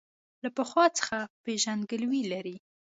له پخوا څخه پېژندګلوي لري.